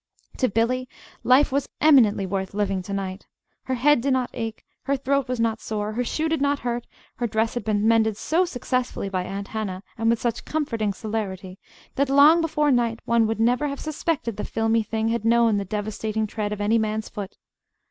To Billy, life was eminently worth living to night. Her head did not ache, her throat was not sore, her shoe did not hurt, her dress had been mended so successfully by Aunt Hannah, and with such comforting celerity, that long before night one would never have suspected the filmy thing had known the devastating tread of any man's foot.